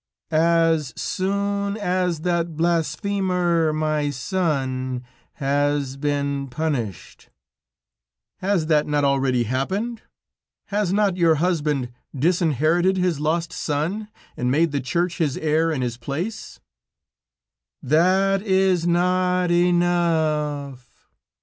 "As soon as that blasphemer, my son, has been punished." "Has that not already happened? Has not your husband disinherited his lost son, and made the Church his heir, in his place?" "That is not enough."